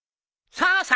さあさあ